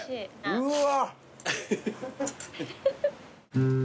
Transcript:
うわ！